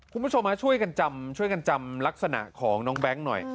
คุณผู้ชมช่วยกันจำลักษณะของน้องแบ๊งก์หน่อย